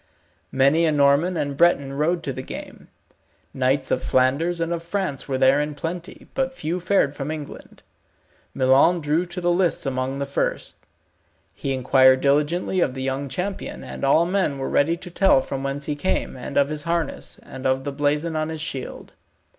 Many a Norman and Breton rode to the game; knights of Flanders and of France were there in plenty, but few fared from England. Milon drew to the lists amongst the first. He inquired diligently of the young champion, and all men were ready to tell from whence he came, and of his harness, and of the blazon on his shield.